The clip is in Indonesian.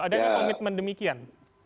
adakah komitmen demikian